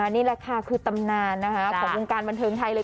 นี่แหละค่ะคือตำนานของวงการบันเทิงไทยเลย